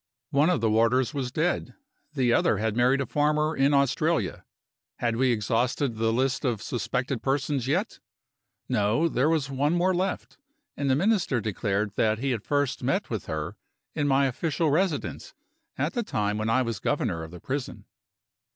One of the warders was dead. The other had married a farmer in Australia. Had we exhausted the list of suspected persons yet? No: there was one more left; and the Minister declared that he had first met with her in my official residence, at the time when I was Governor of the prison.